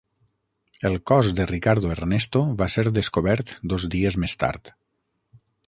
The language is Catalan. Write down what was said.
El cos de Ricardo Ernesto va ser descobert dos dies més tard.